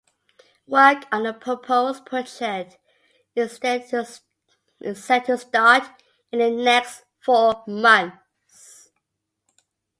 Work on the proposed project is set to start in the next four months.